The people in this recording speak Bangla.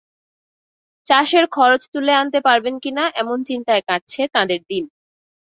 চাষের খরচ তুলে আনতে পারবেন কিনা, এমন চিন্তায় কাটছে তাঁদের দিন।